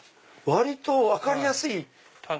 割と分かりやすい。